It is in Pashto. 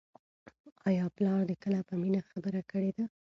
آیا پلار دې کله په مینه خبره کړې ده؟